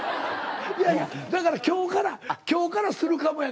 いやいやだから今日から今日からするかもやけど。